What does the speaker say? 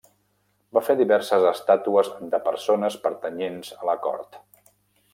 Va fer diverses estàtues de persones pertanyents a la cort.